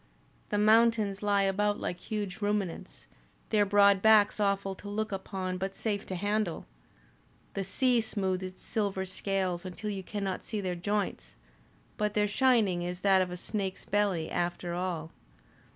The mountains lie about like huge ruminants, their broad backs awful to look upon but safe to handle. The sea smoothes its silver scales until you cannot see their joints, but their shining is that of a snake's belly, after all.